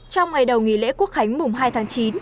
trong ngày đầu nghỉ lễ quốc khánh mùng hai tháng chín